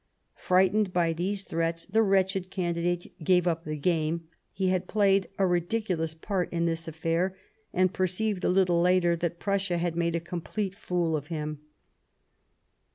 Frightened by these threats, the wretched candidate gave up the game ; he had played a ridiculous part in this affair, and perceived a little later that Prussia had m^de a complete fool of him.